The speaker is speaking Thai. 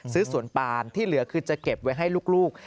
สวนปามที่เหลือคือจะเก็บไว้ให้ลูก